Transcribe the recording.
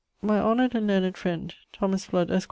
My honoured and learned friend, Thomas Fludd, esq.